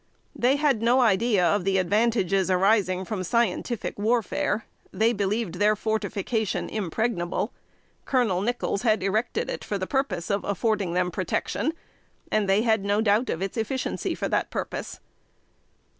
They had no idea of the advantages arising from scientific warfare; they believed their fortification impregnable. Colonel Nichols had erected it for the purpose of affording them protection, and they had no doubt of its efficiency for that purpose.